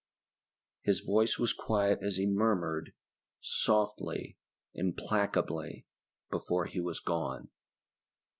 His voice was quiet as he murmured, softly, implacably, before he was gone.